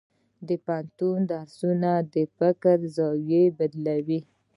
د پوهنتون درسونه د فکر زاویې بدلوي.